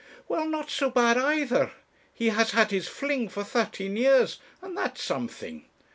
'Well, not so bad either; he has had his fling for thirteen years, and that's something.